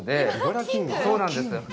そうなんです。